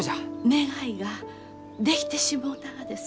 願いができてしもうたがです。